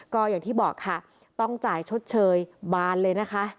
ก็อย่างที่บอกค่ะต้องจ่ายชดเชยบานเลยนะคะ